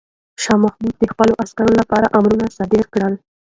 شاه محمود د خپلو عسکرو لپاره امرونه صادر کړل.